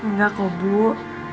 nggak kok bu